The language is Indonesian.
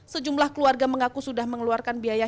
sejumlah keluarga mengaku sudah mengeluarkan biaya